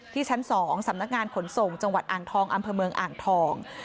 ชั้น๒สำนักงานขนส่งจังหวัดอ่างทองอำเภอเมืองอ่างทอง